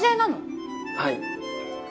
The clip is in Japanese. はい。